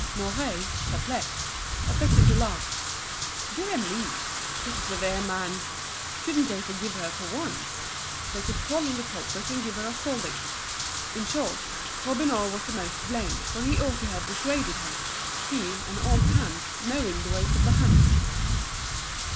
Mouret, perplexed, affected to laugh. Dear me! what a severe man! couldn't they forgive her for once? They could call in the culprit and give her a scolding. In short, Robineau was the most to blame, for he ought to have dissuaded her, he, an old hand, knowing the ways of the house.